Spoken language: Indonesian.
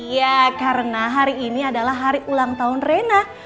ya karena hari ini adalah hari ulang tahun rena